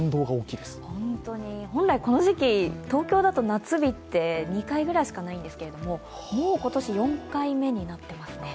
本来、この時期東京だと夏日って２回ぐらいしかないんですけど、もう今年、４回目になっていますね。